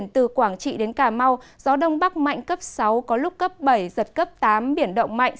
từ quảng trị đến cà mau gió đông bắc mạnh cấp sáu có lúc cấp bảy giật cấp tám biển động mạnh